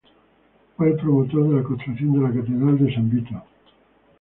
Fue el promotor de la construcción de la catedral de San Vito.